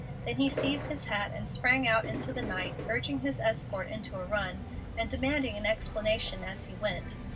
Then he seized his hat and sprang out into the night, urging his escort into a run, and demanding an explanation as he went.